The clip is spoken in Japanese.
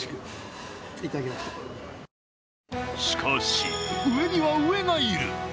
しかし、上には上がいる。